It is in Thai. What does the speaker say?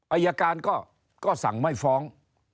อายการก็สั่งไม่ฟ้อง